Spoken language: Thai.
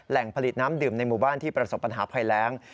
ผลิตน้ำดื่มในหมู่บ้านที่ประสบปัญหาภัยแรง